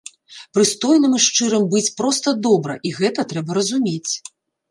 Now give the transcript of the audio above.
Прыстойным і шчырым быць проста добра і гэта трэба разумець.